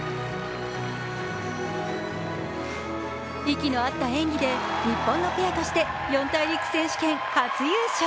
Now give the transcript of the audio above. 息の合った演技で日本のペアとして四大陸選手権初優勝。